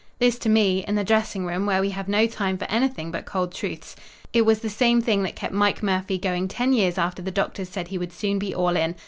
This to me, in the dressing room, where we have no time for anything but cold truths. "It was the same thing that kept Mike Murphy going ten years after the doctors said he would soon be all in.